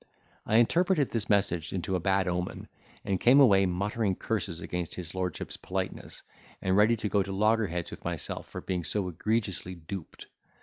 I interpreted this message into a bad omen, and came away muttering curses against his lordship's politeness, and ready to go to loggerheads with myself for being so egregiously duped.